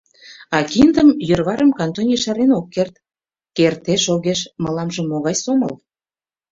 А киндым, йӧрварым кантон ешарен ок керт— Кертеш-огеш — мыламже могай сомыл!